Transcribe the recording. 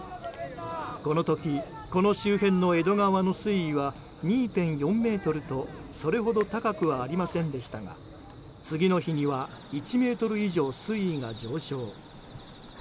この時この周辺の江戸川の水位は２．４ｍとそれほど高くはありませんでしたが次の日には１ｍ以上水位が上昇。